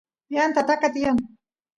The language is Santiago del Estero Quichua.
yanta taka tiyan